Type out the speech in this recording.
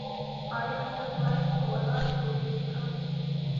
ایا زه باید په ولاړه ډوډۍ وخورم؟